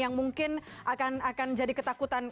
yang mungkin akan jadi ketakutan